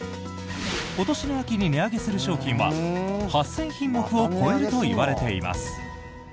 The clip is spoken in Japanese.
今年の秋に値上げする商品は８０００品目を超えるといわれています。